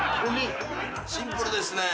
シンプルですね。